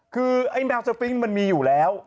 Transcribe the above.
คือไอ้แมวสปริงค์มันมีอยู่แล้ว